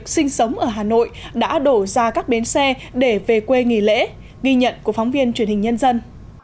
sinh sống ở hà nội đã đổ ra các bến xe để về quê nghỉ lễ ghi nhận của phóng viên truyền hình nhân dân